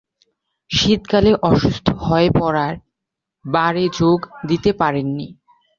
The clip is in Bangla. শীতকালে অসুস্থ হয়ে পড়ায় বারে যোগ দিতে পারেননি।